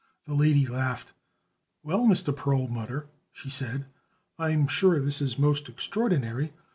The lady laughed. "Well, Mr. Perlmutter," she said, "I'm sure this is most extraordinary.